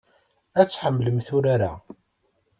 Ad tḥemmlemt urar-a.